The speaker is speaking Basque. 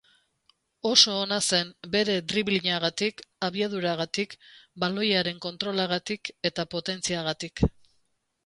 Oso ona zen bere driblinagatik, abiaduragatik, baloiaren kontrolagatik eta potentziagatik.